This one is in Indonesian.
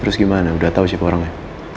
terus gimana udah tau siapa orangnya